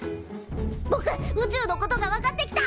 ぼく宇宙のことが分かってきた。